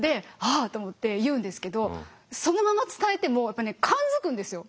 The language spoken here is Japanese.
あと思って言うんですけどそのまま伝えてもやっぱね感づくんですよ。